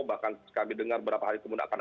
bahkan kami dengar beberapa hari kemuna akan